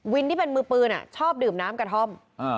ที่เป็นมือปืนชอบดื่มน้ำกระท่อม